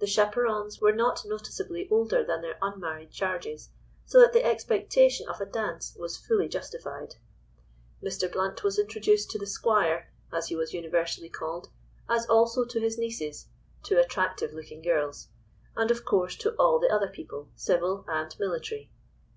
The chaperons were not noticeably older than their unmarried charges, so that the expectation of a dance was fully justified. Mr. Blount was introduced to the "Squire," as he was universally called, as also to his nieces, two attractive looking girls; and of course, to all the other people, civil and military.